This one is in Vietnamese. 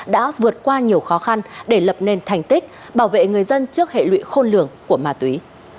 đã vượt qua nhiều khó khăn để lập nên thành tích bảo vệ người dân trước hệ lụy khôn lường của ma túy